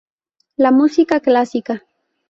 La Música Clásica.